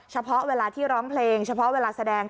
เฉพาะเวลาที่ร้องเพลงเฉพาะเวลาแสดง